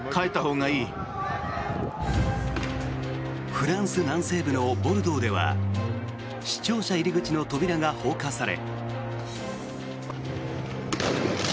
フランス南西部のボルドーでは市庁舎入り口の扉が放火され。